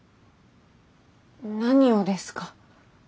何をですか？